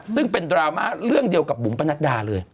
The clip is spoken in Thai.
ซึ่งเป็นดรามะเรื่องเดียวกับบุ๋มปนัดรา